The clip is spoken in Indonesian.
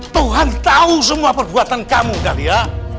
tuhan tahu semua perbuatan kamu talia